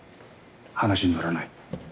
話にならない。